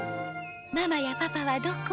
「ママやパパはどこ？」